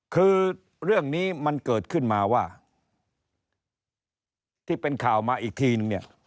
คือเรื่องนี้มันเกิดขึ้นมาว่าที่เป็นข่าวมาอีกทีนึงเนี่ย